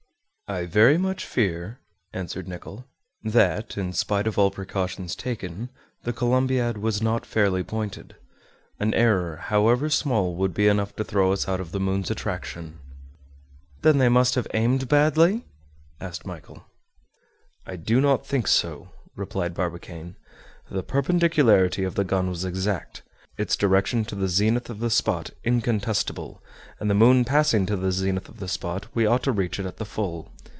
"I very much fear," answered Nicholl, "that, in spite of all precautions taken, the Columbiad was not fairly pointed. An error, however small, would be enough to throw us out of the moon's attraction." "Then they must have aimed badly?" asked Michel. "I do not think so," replied Barbicane. "The perpendicularity of the gun was exact, its direction to the zenith of the spot incontestible; and the moon passing to the zenith of the spot, we ought to reach it at the full.